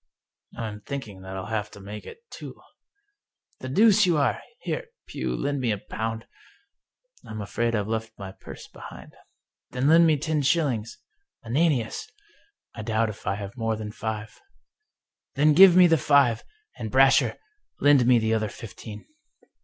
"" I'm thinking that I'll have to mak e it two." " The deuce you are ! Here, Pugh, lend me a pound." " I'm afraid I've left my purse behind." " Then lend me ten shillings — ^Ananias !"" I doubt if I have more than five." " Then give me the five. And, Brasher, lend me the other fifteen."